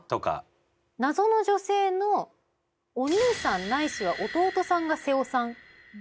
謎の女性のお兄さんないしは弟さんが背尾さん。